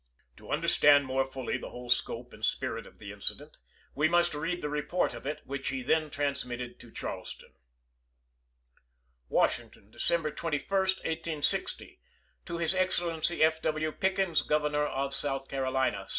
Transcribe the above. To understand more fully the whole scope and spirit of the incident, we must read the report of it which he then trans mitted to Charleston : Washington, December 21, 1860. To His Excellency F. W. Pickens, Governor of South Carolina.